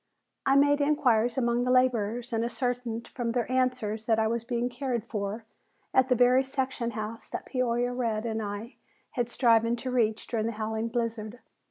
I made inquiries among the laborers and ascertained from their answers that I was being cared for at the very section house that Peoria Red and I had striven to reach during the howling blizzard.